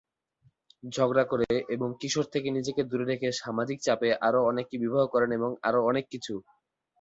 ঝগড়া করে এবং কিশোর থেকে নিজেকে দূরে রেখে সামাজিক চাপে আরও অনেককে বিবাহ করেন এবং আরও অনেক কিছু।